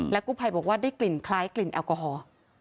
กู้ภัยบอกว่าได้กลิ่นคล้ายกลิ่นแอลกอฮอล์